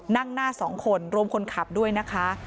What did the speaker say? นั่งหน้าสองคนรวมคนขับด้วยนะคะ